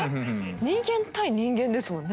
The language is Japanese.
人間対人間ですもんね。